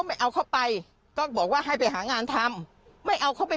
ไม่เอาเข้าไปก็บอกว่าให้ไปหางานทำไม่เอาเขาไป